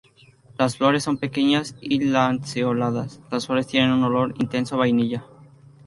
Las flores son pequeñas y lanceoladas Las flores tienen un olor intenso a vainilla.